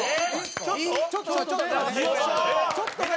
ちょっとね。